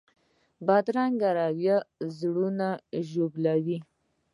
بدرنګه رویه زړونه ژوبلوي